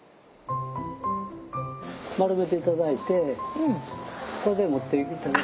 丸めていただいてこれで持って行く。